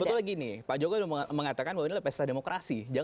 sebetulnya gini pak jokowi mengatakan bahwa ini adalah pesta demokrasi